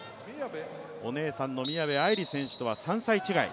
お姉さんの宮部藍梨選手とは３歳違い。